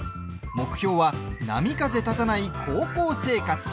目標は、波風立たない高校生活。